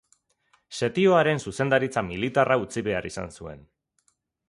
Setioaren zuzendaritza militarra utzi behar izan zuen.